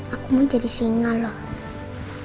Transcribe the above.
aku mau jadi singa loh